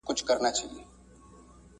هغه د خپل صنفَّ تنبله جینۍ